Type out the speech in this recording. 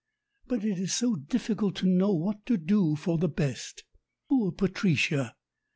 But it is so difficult to know what to do for the best. Poor Patricia